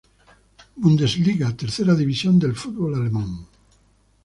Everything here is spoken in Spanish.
Bundesliga, tercera división del fútbol alemán.